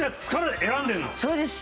そうです！